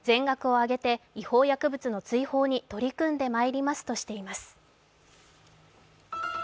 全学を挙げて違法薬物の追放に取り組んでまいりますとしています。